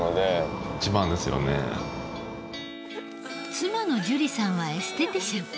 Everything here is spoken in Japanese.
妻の珠里さんはエステティシャン。